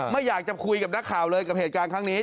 ไม่อยากจะคุยกับนักข่าวเลยกับเหตุการณ์ครั้งนี้